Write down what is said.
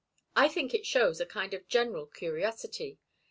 I think it shows a kind of general curiosity.